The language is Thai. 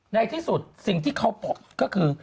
ในที่สุดสิ่งที่เขาพบก็คือ